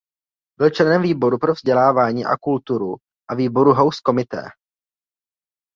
Byl členem výboru pro vzdělávání a kulturu a výboru House Committee.